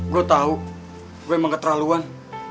gue tau gue emang ke terlaluan